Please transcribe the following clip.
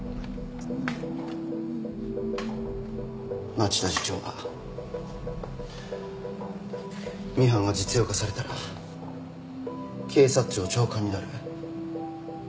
町田次長はミハンが実用化されたら警察庁長官になる。